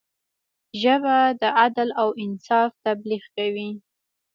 ژبه د عدل او انصاف تبلیغ کوي